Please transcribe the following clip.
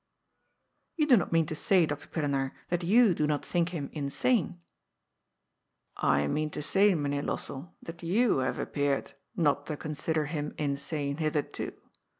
You do not mean to say. Dr. Pillenaar, that you do not think him insane ?"" I mean to say. Mynheer Lossell, that you have ap peared not to consider him insane hitherto.